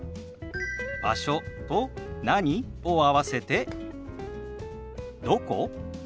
「場所」と「何？」を合わせて「どこ？」。